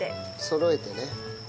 そろえてね。